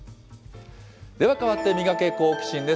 では変わってミガケ、好奇心！です。